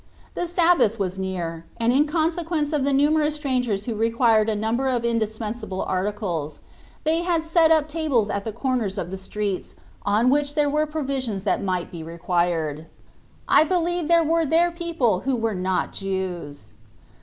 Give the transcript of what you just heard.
The Sabbath was near, and in consequence of the numerous strangers who required a num ber of indispensable articles, they had set up tables at the corners of the streets 78 ZTbe 1Rativ>ft of on which there were provisions that might be required. I believe there were there people who were not Jews.